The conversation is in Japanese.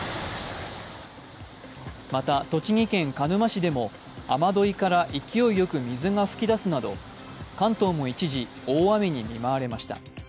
また、栃木県鹿沼市でも雨どいから勢いよく水が噴き出すなど関東も一時、大雨に見舞われました